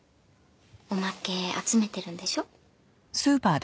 おまけ集めてるんでしょ？